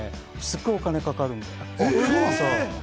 すごくお金かかるんですよ。